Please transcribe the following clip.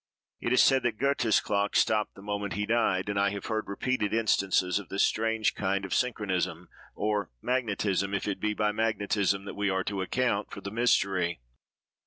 It is said that Goethe's clock stopped the moment he died; and I have heard repeated instances of this strange kind of synchronism, or magnetism, if it be by magnetism that we are to account for the mystery.